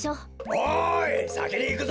おいさきにいくぞ。